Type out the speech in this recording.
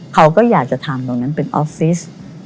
เขาก็อยากจะทำตรงนั้นเป็นออฟฟิศ